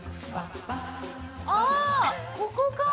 あー、ここか。